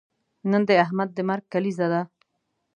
نن د احمد د مرګ کلیزه ده.